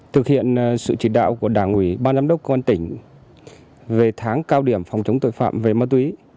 thực hiện sự chỉ đạo của đảng ủy ban giám đốc công an tỉnh về tháng cao điểm phòng chống tội phạm về ma túy